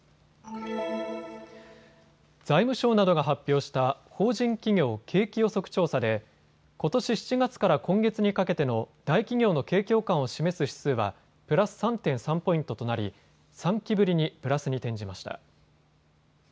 財務省などが発表した法人企業景気予測調査でことし７月から今月にかけての大企業の景況感を示す指数はプラス３．３ポイントとなり３期ぶりにプラスに転じました。